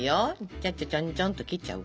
ちょっちょっちょんちょんっと切っちゃう？